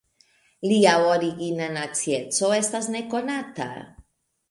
Lia origina nacieco estas nekonata.